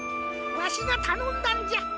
わしがたのんだんじゃ。